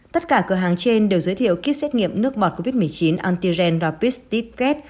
tất cả cửa hàng trên đều giới thiệu kết xét nghiệm nước bọt covid một mươi chín antigen robust ticket